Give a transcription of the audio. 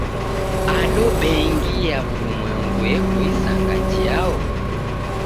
Ado bengi ya w'urumwengu eko isanga jiao?